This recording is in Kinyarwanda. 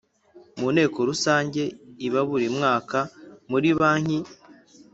Mu Nteko Rusange iba buri mwaka muri banki